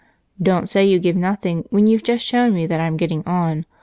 "Don't say that you give nothing, when you've just shown me that I'm getting on.